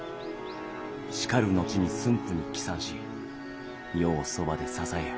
しかる後に駿府に帰参し余をそばで支えよ」。